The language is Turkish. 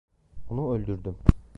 Onu öldürdüm.